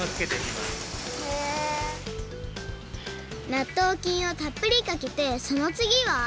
なっとうきんをたっぷりかけてそのつぎは？